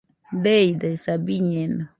Deidesaa, biñeno